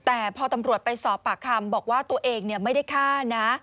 แต่พอตำรวจไปสอบปากคำบอกว่าตัวเองไม่ได้ฆ่านะ